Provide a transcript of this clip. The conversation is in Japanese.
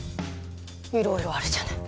いろいろあるじゃない。